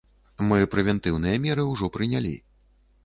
Мы прэвентыўныя меры ўжо прынялі.